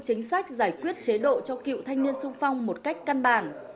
chính sách giải quyết chế độ cho cựu thanh niên sung phong một cách căn bản